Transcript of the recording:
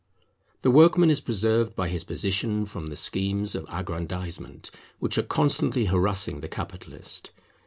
The workman is preserved by his position from the schemes of aggrandisement, which are constantly harassing the capitalist.